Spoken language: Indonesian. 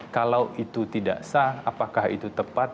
kalau itu tidak sah apakah itu tepat